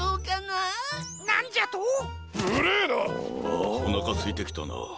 あおなかすいてきたなあ。